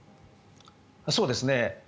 そうですね。